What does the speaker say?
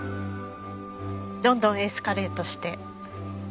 どんどんエスカレートしてはい。